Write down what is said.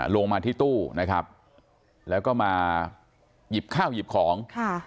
ลงมาที่ตู้นะครับแล้วก็มาหยิบข้าวหยิบของค่ะ